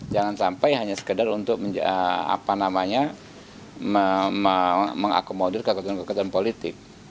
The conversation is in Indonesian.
jangan sampai hanya sekedar untuk apa namanya mengakomodir keketuhan keketuhan politik